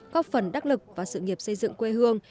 góp phần đắc lực và sự nghiệp xây dựng quê hương